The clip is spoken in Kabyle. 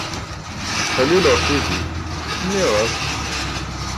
Ttḥellileɣ Sidi, nniɣ-as.